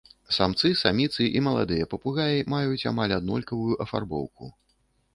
Самцы, саміцы і маладыя папугаі маюць амаль аднолькавую афарбоўку.